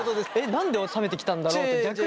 何で冷めてきたんだろうって逆に。